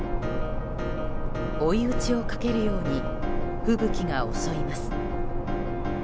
追い打ちをかけるように吹雪が襲います。